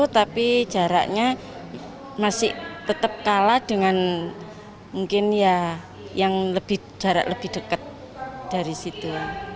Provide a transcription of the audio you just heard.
tapi jaraknya masih tetap kalah dengan mungkin ya yang jarak lebih dekat dari situ